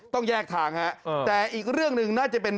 ต้องแยกทางฮะแต่อีกเรื่องหนึ่งน่าจะเป็น